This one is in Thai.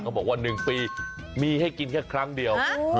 บอกว่า๑ปีมีให้กินแค่ครั้งเดียว